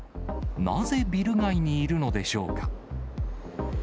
なぜビル街にいるのでしょうか。